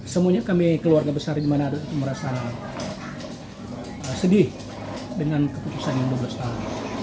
semuanya kami keluarga besar di mana merasa sedih dengan keputusan yang dua belas tahun